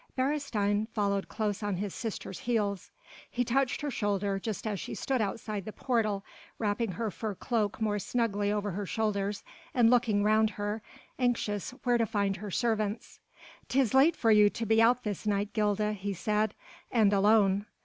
Beresteyn followed close on his sister's heels. He touched her shoulder just as she stood outside the portal, wrapping her fur cloak more snugly over her shoulders and looking round her, anxious where to find her servants. "'Tis late for you to be out this night, Gilda," he said, "and alone."